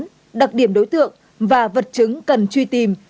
đặc điểm vụ án đặc điểm đối tượng và vật chứng cần truy tìm